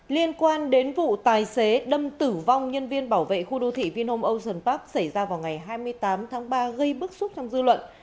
liên quan đến vụ tài xế đâm tử vong nhân viên bảo vệ khu đô thị vinhome ocean park xảy ra vào ngày hai mươi tám tháng ba gây bức xúc trong dư luận